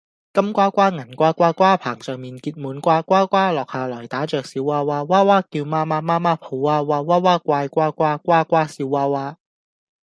金瓜瓜，銀瓜瓜，瓜棚上面結滿瓜。瓜瓜落下來，打着小娃娃；娃娃叫媽媽，媽媽抱娃娃；娃娃怪瓜瓜，瓜瓜笑娃娃